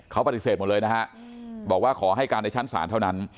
เขาปฏิเสธหมดเลยนะฮะบอกว่าขอให้การในชั้นศาลเท่านั้น